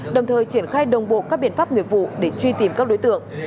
đồng thời triển khai đồng bộ các biện pháp nghiệp vụ để truy tìm các đối tượng